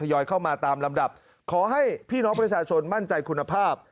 ยอยเข้ามาตามลำดับขอให้พี่น้องประชาชนมั่นใจคุณภาพ